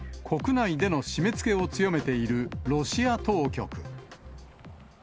国内での締めつけを強めているロシア当局。